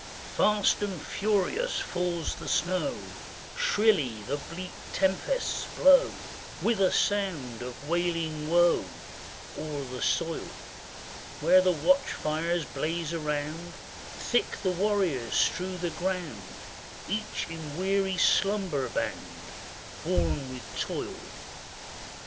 ] Fast and furious falls the snow; Shrilly the bleak tempests blow, With a sound of wailing woe, O'er the soil; Where the watch fires blaze around, Thick the warriors strew the ground, Each in weary slumber bound, Worn with toil.